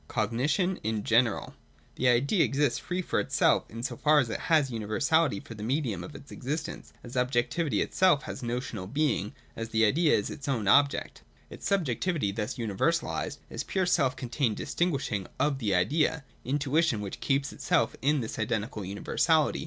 (h) Cognition in general. 223.] The idea exists free for itself, in so far as it has universality for the medium of its existence, — as objec tivity itself has notional being, — as the idea is its own object. Its subjectivity, thus universalised, \spure self contained distinguishing of the idea, — intuition which keeps itself in this identical universality.